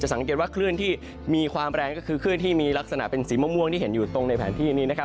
สังเกตว่าคลื่นที่มีความแรงก็คือคลื่นที่มีลักษณะเป็นสีม่วงที่เห็นอยู่ตรงในแผนที่นี้นะครับ